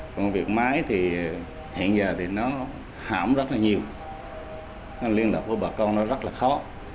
còn việc máy thì hiện giờ thì nó hỏng rất là nhiều liên lạc với bà con nó rất là khó